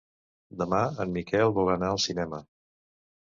Demà en Miquel vol anar al cinema.